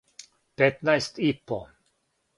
Петнаест и по.